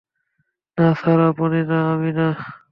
না স্যার আপনি না, - আমি না।